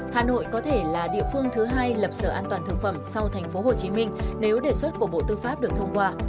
hà nội có thể là địa phương thứ hai lập sở an toàn thực phẩm sau tp hcm nếu đề xuất của bộ tư pháp được thông qua